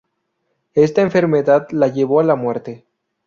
Esta enfermedad la llevó a la muerte.